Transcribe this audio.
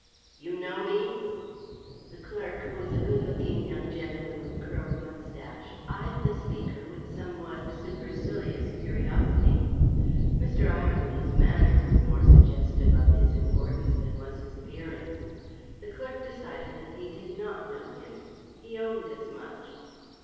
"You know me?" The clerk, who was a good looking young gentleman, with a curled moustache, eyed the speaker with somewhat supercilious curiosity. Mr. Ireland's manner was more suggestive of his importance than was his appearance. The clerk decided that he did not know him. He owned as much.